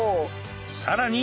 さらに